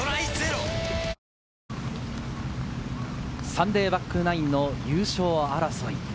サンデーバックナインの優勝争い。